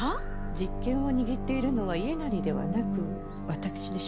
実権を握っているのは家斉ではなく私でしょう？